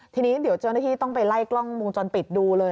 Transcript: ทีนี้เดี๋ยวเจ้าหน้าที่ต้องไปไล่กล้องวงจรปิดดูเลย